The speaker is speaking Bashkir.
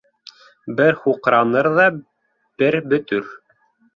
Бер һуҡраныр ҙа бер бөтөр.